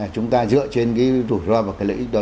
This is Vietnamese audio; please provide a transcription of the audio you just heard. chúng ta dựa trên cái rủi ro và cái lợi ích đó